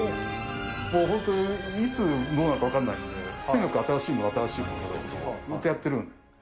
もう本当に、いつどうなるか分かんないので、とにかく新しいもの、新しいものをずっとやってるんです。